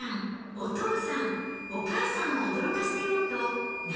お父さんお母さんを驚かせようと内緒に。